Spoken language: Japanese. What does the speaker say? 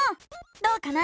どうかな？